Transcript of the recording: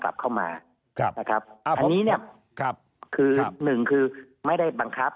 ครับนะครับอันนี้เนี่ยครับคือหนึ่งคือไม่ได้บังคับ